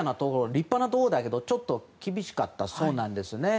立派なところだけどちょっと厳しかったそうですね。